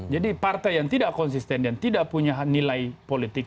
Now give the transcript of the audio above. jadi partai yang tidak konsisten yang tidak punya nilai politik